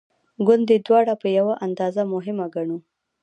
ګوندې دواړه په یوه اندازه مهمه ګڼو.